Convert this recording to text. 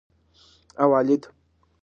اوالد